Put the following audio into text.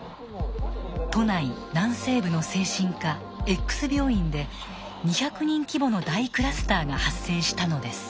都内南西部の精神科Ｘ病院で２００人規模の大クラスターが発生したのです。